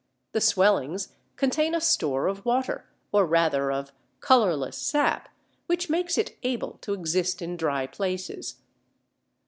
The swellings contain a store of water, or rather of colourless sap, which makes it able to exist in dry places.